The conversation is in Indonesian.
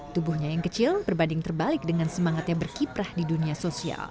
tubuhnya yang kecil berbanding terbalik dengan semangatnya berkiprah di dunia sosial